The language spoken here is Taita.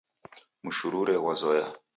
Mshushure ghwazoya